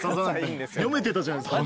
読めてたじゃないですか。